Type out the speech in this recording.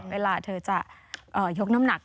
เวลาเธอจะยกน้ำหนัก